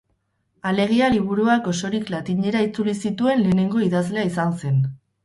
Alegia-liburuak osorik latinera itzuli zituen lehenengo idazlea izan zen.